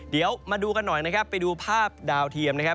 เดี๋ยวมาดูกันหน่อยนะครับไปดูภาพดาวเทียมนะครับ